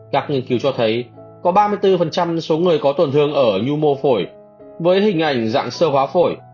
các nghiên cứu cho thấy có ba mươi bốn số người có tổn thương ở nhu mô phổi với hình ảnh dạng sơ hóa phổi